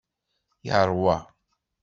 Yeṛwa.